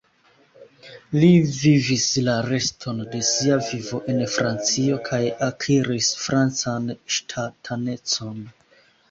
Li vivis la reston de sia vivo en Francio kaj akiris francan ŝtatanecon.